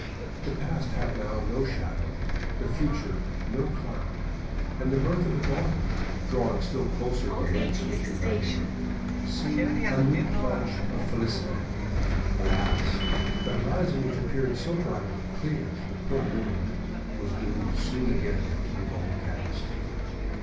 The past had now no shadow, the future no cloud, and the birth of a daughter, drawing still closer the links which united them, seemed a new pledge of felicity. Alas! the horizon which appeared so bright and clear to the poor woman was doomed soon again to be overcast.